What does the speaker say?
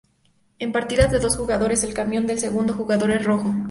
En partidas de dos jugadores, el camión del segundo jugador es rojo.